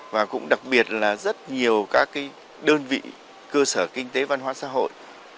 và cũng đặc biệt là rất nhiều các đơn vị cơ sở kinh tế văn hóa xã hội